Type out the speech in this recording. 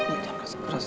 ntar kasih keras